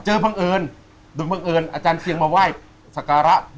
บังเอิญโดยบังเอิญอาจารย์เชียงมาไหว้สการะ